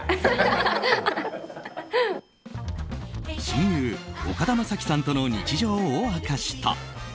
親友・岡田将生さんとの日常を明かした。